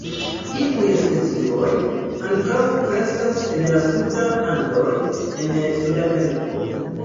Iuj specioj ankaŭ kreskas en la suda Andoj en Sudameriko.